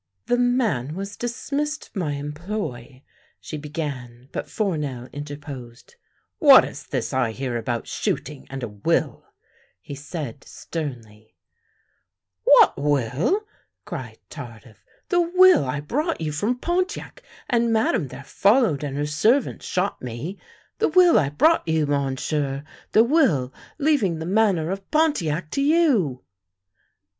" The man was dismissed my employ —" she began, but Fournel interposed. "What is this I hear about shooting and a will?'* he said sternly. THE LANE THAT HAD NO TURNING 71 "What will!" cried Tardif. "The will I brought you from Pontiac, and Madame there followed and her servant shot me. The will I brought you, Monsieur. The will leaving the Manor of Pontiac to you!